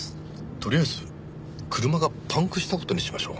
とりあえず車がパンクした事にしましょう。